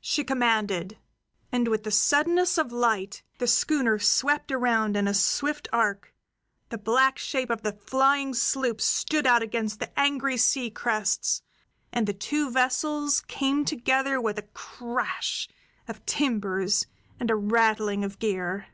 she commanded; and with the suddenness of light the schooner swept around in a swift arc, the black shape of the flying sloop stood out against the angry sea crests, and the two vessels came together with a crash of timbers and a rattling of gear.